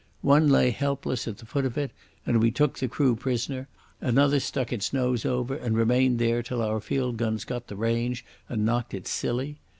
One lay helpless at the foot of it, and we took the crew prisoner; another stuck its nose over and remained there till our field guns got the range and knocked it silly.